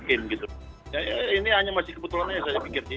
ini hanya masih kebetulannya saya pikir sih